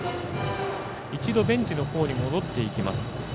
一度ベンチのほうに戻っていきます。